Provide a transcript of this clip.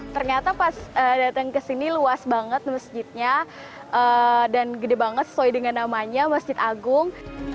ternyata pas datang ke sini luas banget masjidnya dan gede banget sesuai dengan namanya masjid agung